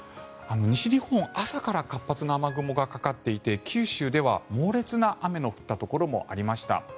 西日本、朝から活発な雨雲がかかっていて九州では猛烈な雨が降ったところもありました。